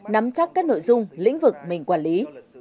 nắm chắc các nội dung lĩnh vực mình quản lý